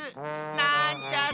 なんちゃって！